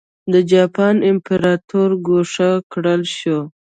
د جاپان امپراتور ګوښه کړل شو.